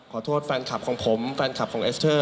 ขอโทษแฟนคลับของผมแฟนคลับของเอสเตอร์